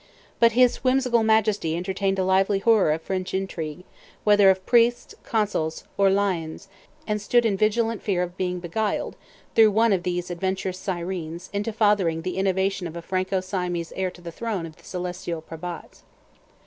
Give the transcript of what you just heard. But his whimsical Majesty entertained a lively horror of French intrigue, whether of priests, consuls, or lionnes, and stood in vigilant fear of being beguiled, through one of these adventurous sirens, into fathering the innovation of a Franco Siamese heir to the throne of the celestial P'hrabatts.